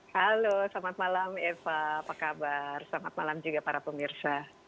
halo selamat malam eva apa kabar selamat malam juga para pemirsa